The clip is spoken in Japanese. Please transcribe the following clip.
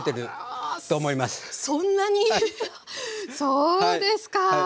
そうですか。